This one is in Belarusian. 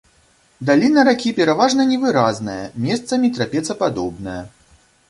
Даліна ракі пераважна невыразная, месцамі трапецападобная.